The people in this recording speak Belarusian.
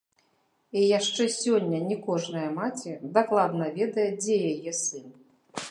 І яшчэ сёння не кожная маці дакладна ведае, дзе яе сын.